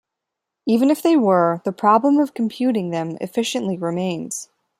Even if they were, the problem of computing them efficiently remains.